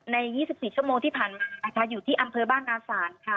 ใน๒๔ชั่วโมงที่ผ่านมานะคะอยู่ที่อำเภอบ้านนาศาลค่ะ